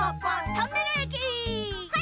トンネルえき！